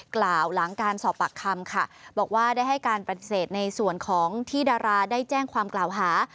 กล่าวหลังการสอบปากคำค่ะบอกว่าได้ให้การปฏิเสธในส่วนของที่ดาราได้แจ้งความกล่าวหา